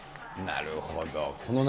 なるほど。